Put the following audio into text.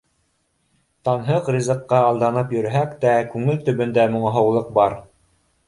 Танһыҡ ризыҡҡа алданып йөрөһәк тә, күңел төбөндә моңһоулыҡ бар.